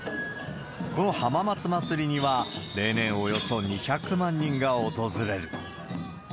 この浜松まつりには、例年およそ２００万人が訪れる。